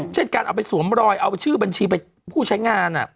เช่นการเอาไปสวมรอยเอาชื่อบัญชีไปผู้ใช้งาน